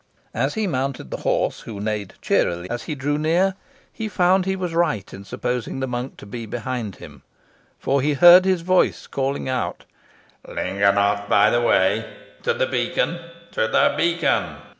As he mounted the horse, who neighed cheerily as he drew near, he found he was right in supposing the monk to be behind him, for he heard his voice calling out, "Linger not by the way. To the beacon! to the beacon!"